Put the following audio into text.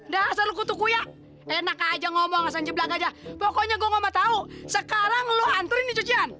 dah asal lu kutukku ya enak aja ngomong asal jeblak aja pokoknya gua ngomong tau sekarang lu hantarin cucian